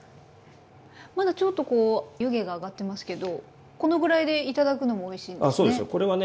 まだちょっとこう湯気が上がってますけどこのぐらいで頂くのもおいしいんですね。